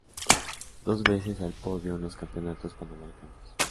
Dos veces al podio en los Campeonatos Panamericanos.